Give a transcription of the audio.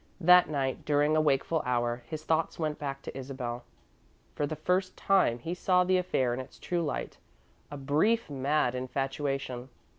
That night, during a wakeful hour, his thoughts went back to Isabel. For the first time, he saw the affair in its true light a brief, mad infatuation.